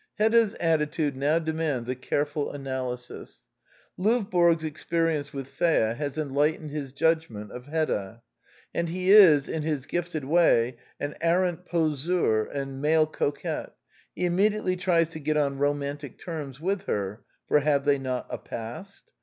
Hedda's attitude now demands a careful analy sis. Lovborg's experience with Thea has enlight ened his judgment of Hedda ; and as he is, in his gifted way, an arrant poseur and male coquet, he immediately tries to get on romantic terms with her (for have they not " a past